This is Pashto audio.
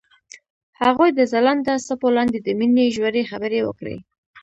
هغوی د ځلانده څپو لاندې د مینې ژورې خبرې وکړې.